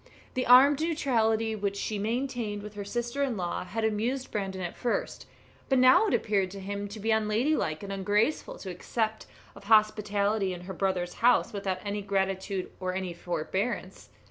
The armed neutrality which she maintained with her sister in law had amused Brandon at first, but now it appeared to him to be unladylike and ungraceful to accept of hospitality in her brother's house without any gratitude or any forbearance.